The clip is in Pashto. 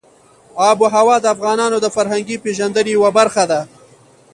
آب وهوا د افغانانو د فرهنګي پیژندنې یوه برخه ده.